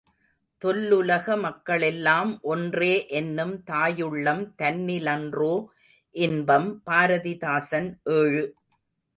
தொல்லுலக மக்க ளெல்லாம் ஒன்றே என்னும் தாயுள்ளம் தன்னி லன்றோ இன்பம் பாரதிதாசன் ஏழு.